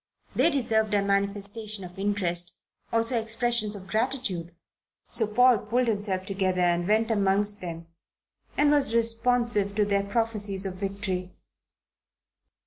They deserved a manifestation of interest, also expressions of gratitude. So Paul pulled himself together and went amongst them and was responsive to their prophecies of victory.